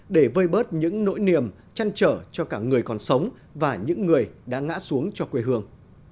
để vơi bớt những nỗi niềm chăn trở cho cả người còn sống và những người đã ngã xuống cho quê hương